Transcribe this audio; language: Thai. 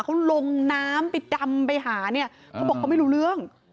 เขาลงน้ำไปดำไปหาเนี่ยเขาบอกเขาไม่รู้เรื่อง